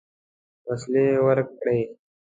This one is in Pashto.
وسلې ورکړې.